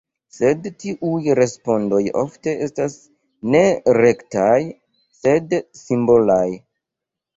Sed tiuj respondoj ofte estas ne rektaj, sed simbolaj.